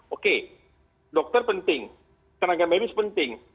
oke dokter penting tenaga medis penting